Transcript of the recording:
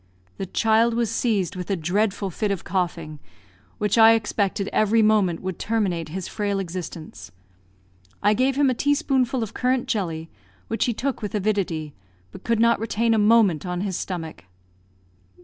The child was seized with a dreadful fit of coughing, which I expected every moment would terminate his frail existence. I gave him a teaspoonful of currant jelly, which he took with avidity, but could not retain a moment on his stomach.